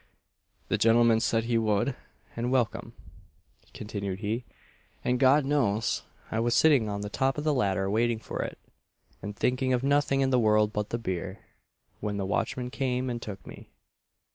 "The gentleman said he would, and welcome," continued he; "and God knows, I was sitting on the top of the ladder, waiting for it, and thinking of nothing in the world but the beer, when the watchmen came and took me."